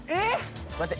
待って。